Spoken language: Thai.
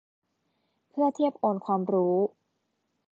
เพื่อเทียบโอนความรู้